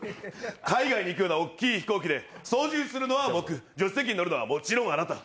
海外に行くような大きい飛行機で、操縦するのは僕、助手席に乗るのはもちろんあなた。